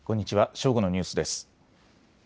正午のニュースです。